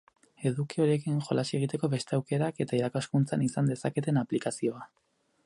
Eduki horiekin jolas egiteko beste aukerak eta irakaskuntzan izan dezaketen aplikazioa.